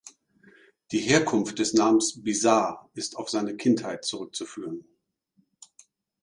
Die Herkunft des Namens "Bizarre" ist auf seine Kindheit zurückzuführen.